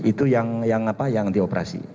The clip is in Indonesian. itu yang apa yang dioperasi